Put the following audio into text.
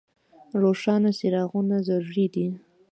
روښانه څراغونه ضروري دي.